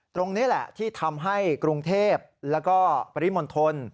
ตรงนี้แหละที่ทำให้กรุงเทพแล้วก็ปริมณฑล